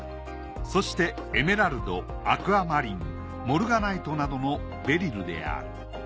そしてエメラルドアクアマリンモルガナイトなどのベリルである。